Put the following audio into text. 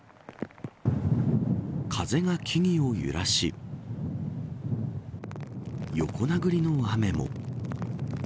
風が木々を揺らし横殴りの雨も。